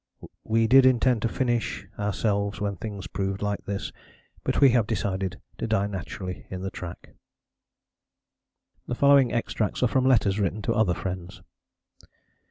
We did intend to finish ourselves when things proved like this, but we have decided to die naturally in the track. The following extracts are from letters written to other friends